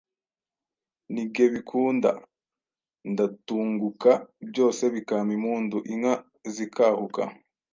ni ge bikunda. Ndatunguka byose bikampa impundu. Inka zikahuka,